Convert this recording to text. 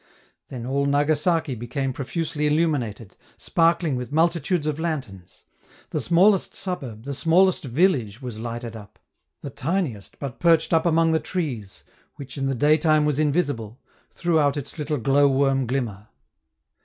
Then all Nagasaki became profusely illuminated, sparkling with multitudes of lanterns: the smallest suburb, the smallest village was lighted up; the tiniest but perched up among the trees, which in the daytime was invisible, threw out its little glowworm glimmer.